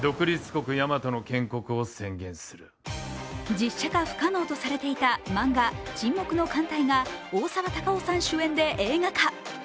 実写化不可能とされていた漫画「沈黙の艦隊」が大沢たかおさん主演で映画化。